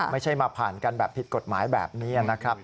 ไม่ใช่มาผ่านกันแบบผิดกฎหมายแบบนี้นะครับ